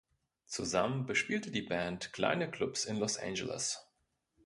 Zusammen bespielte die Band kleine Clubs in Los Angeles.